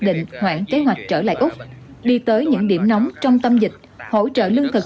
định hoãn kế hoạch trở lại úc đi tới những điểm nóng trong tâm dịch hỗ trợ lương thực